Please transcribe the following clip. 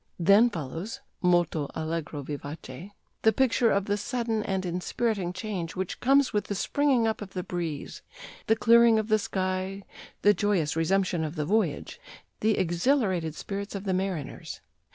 Then follows (Molto allegro vivace) the picture of the sudden and inspiriting change which comes with the springing up of the breeze the clearing of the sky, the joyous resumption of the voyage, the exhilarated spirits of the mariners.